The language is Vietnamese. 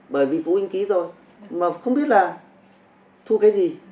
bởi vì phụ huynh ký rồi mà không biết là thu cái gì